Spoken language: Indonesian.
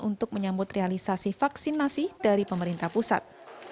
untuk menyambut realisasi vaksinasi dari pemerintah pusat